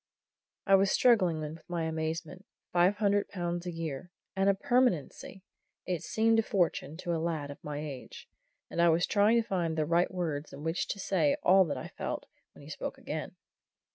I was still struggling with my amazement. Five hundred pounds a year! and a permanency! It seemed a fortune to a lad of my age. And I was trying to find the right words in which to say all that I felt, when he spoke again.